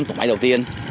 năm tổ máy đầu tiên